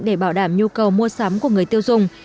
để bảo đảm nhu cầu mua sắm của người tiêu dùng